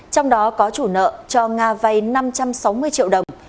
trong đó có chủ nợ cho nga vay năm trăm sáu mươi triệu đồng